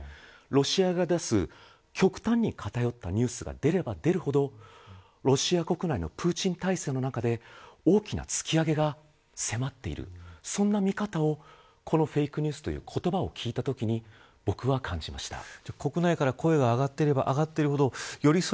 ロシアが出す極端に偏ったニュースが出れば出るほどロシア国内のプーチン体制の中で大きな突き上げが迫っているそんな見方をこのフェイクニュースという言葉を聞いたときに僕は感じました。